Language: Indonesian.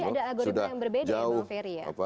jadi ada algoritma yang berbeda ya mbak